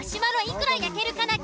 いくら焼けるかな